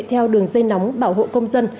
theo đường dây nóng bảo hộ công dân